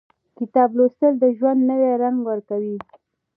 • کتاب لوستل، د ژوند نوی رنګ ورکوي.